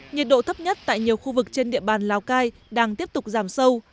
nhiệt độ thấp nhất tại nhiều khu vực trên địa bàn lào cai đang tiếp tục giảm sâu